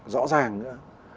rõ ràng nữa